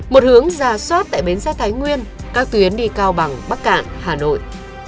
một hướng ra soát tại bến xe thái nguyên các tuyến đi cao bằng bắc cạn hà nội